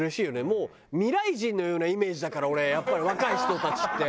もう未来人のようなイメージだから俺やっぱり若い人たちって。